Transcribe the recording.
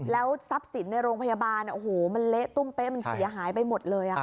แล้วทรัพย์สินในโรงพยาบาลโอ้โหมันเละตุ้มเป๊ะมันเสียหายไปหมดเลย